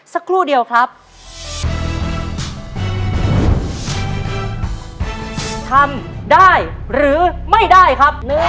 ทำได้หรือไม่ได้ครับ